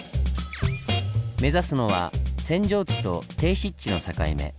目指すのは扇状地と低湿地の境目。